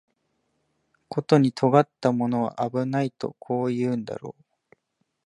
ことに尖ったものは危ないとこう言うんだろう